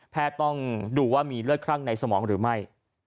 ต้องดูว่ามีเลือดคลั่งในสมองหรือไม่